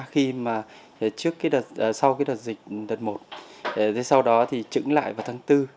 sau cái đợt dịch đợt một sau đó thì trứng lại vào tháng bốn